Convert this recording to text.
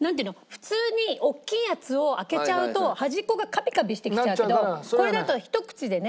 普通におっきいやつを開けちゃうと端っこがカピカピしてきちゃうけどこれだとひと口でね